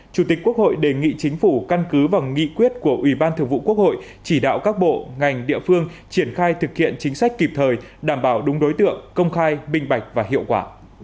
chủ tịch quốc hội đề nghị chính phủ căn cứ vào nghị quyết của ủy ban thường vụ quốc hội chỉ đạo các bộ ngành địa phương triển khai thực hiện chính sách kịp thời đảm bảo đúng đối tượng công khai minh bạch và hiệu quả